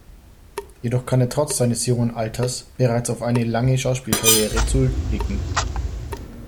Jedoch kann er trotz seines jungen Alters bereits auf eine lange Schauspielkarriere zurückblicken.